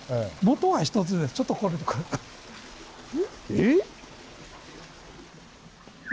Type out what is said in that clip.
えっ！